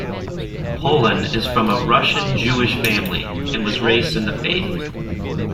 Pollan is from a Russian Jewish family and was raised in the faith.